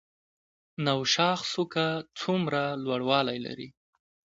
نوشاخ څوکه څومره لوړوالی لري؟